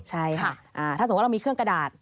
ใช่ค่ะถ้าสมมุติเรามีเครื่องกระดาษ